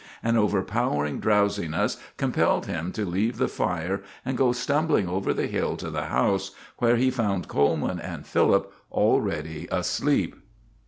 An overpowering drowsiness compelled him to leave the fire and go stumbling over the hill to the house, where he found Coleman and Philip already asleep.